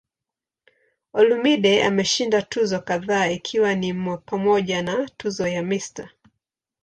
Olumide ameshinda tuzo kadhaa ikiwa ni pamoja na tuzo ya "Mr.